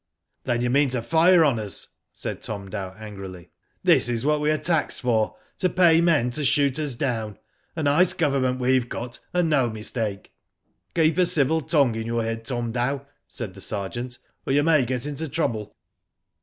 " Then you mean to fire on us," said Tom Dow, angrily. "This is what we are taxed for, to pay men to shoot us down. A nice Govern ment we've got, and no mistake." " Keep a civil tongue in your head, Tom Dow," said the sergeant, " or you may get into trouble."